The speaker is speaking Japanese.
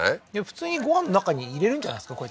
普通にご飯の中に入れるんじゃないですか？